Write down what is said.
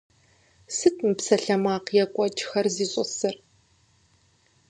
Сыт мы псалъэмакъ екӀуэкӀхэр зищӀысыр?